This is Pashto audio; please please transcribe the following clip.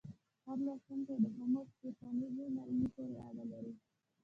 هر لوستونکی د هومو سیپینز نوعې پورې اړه لري.